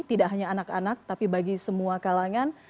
tidak hanya anak anak tapi bagi semua kalangan